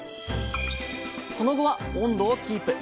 その後は温度をキープ。